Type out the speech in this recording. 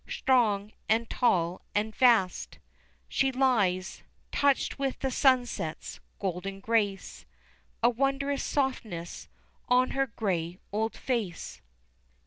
Strong, and tall, and vast, She lies, touched with the sunsets golden grace, A wondrous softness on her grey old face.